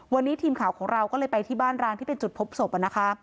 วันนี้ทีมข่าวของเราก็เลยไปที่บ้านร้างที่เป็นจุดพบศพนะคะ